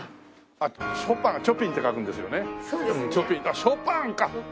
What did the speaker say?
ああショパンか！